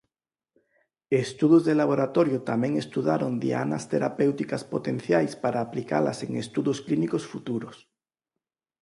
Estudos de laboratorio tamén estudaron dianas terapéuticas potenciais para aplicalas en estudos clínicos futuros.